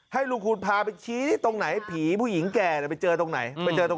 ให้ลุงคุณพาไปชี้ตรงไหนผีผู้หญิงแก่ไปเจอตรงไหนไปเจอตรง